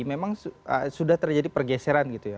memang sudah terjadi pergeseran